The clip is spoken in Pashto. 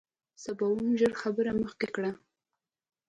سباوون ژر خبره مخکې کړه.